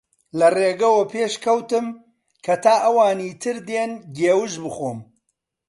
لە ڕێگە وەپێش کەوتم کە تا ئەوانی تر دێن گێوژ بخۆم